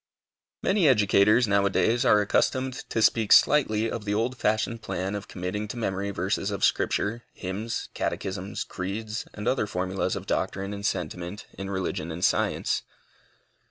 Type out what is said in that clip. Many educators now a days are accustomed to speak slightly of the old fashioned plan of committing to memory verses of Scripture, hymns, catechisms, creeds, and other formulas of doctrine and sentiment in religion and science.